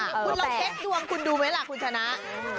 คุณลองเช็คดวงคุณดูไหมล่ะคุณชนะ